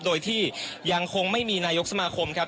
โดยที่ยังคงไม่มีนายกสมาคมครับ